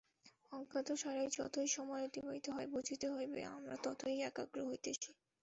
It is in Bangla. অজ্ঞাতসারে যতই সময় অতিবাহিত হয়, বুঝিতে হইবে, আমরা ততই একাগ্র হইতেছি।